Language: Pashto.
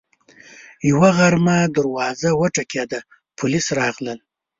یوه غرمه دروازه وټکېده، پولیس راغلل